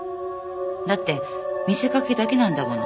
だって見せかけだけなんだもの。